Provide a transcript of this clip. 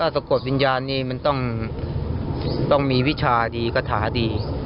สะกดวิญญาณนี้มันต้องมีวิชาดีคาถาดี